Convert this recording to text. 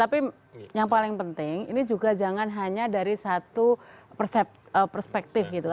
tapi yang paling penting ini juga jangan hanya dari satu perspektif gitu